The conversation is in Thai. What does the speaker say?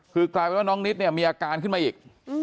คือกลายไปว่าน้องนิดมีอาการขิ้นไปอีก